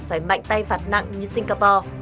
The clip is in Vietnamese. phải mạnh tay phạt nặng như singapore